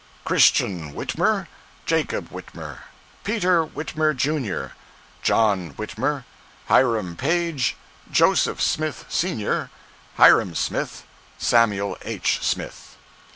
CHRISTIAN WHITMER, JACOB WHITMER, PETER WHITMER, JR., JOHN WHITMER, HIRAM PAGE, JOSEPH SMITH, SR., HYRUM SMITH, SAMUEL H. SMITH.